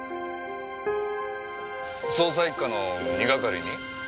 捜査一課の二係に？